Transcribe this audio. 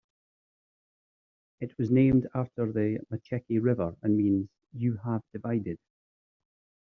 It was named after the Macheke River and means "you have divided".